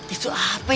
itu apa ya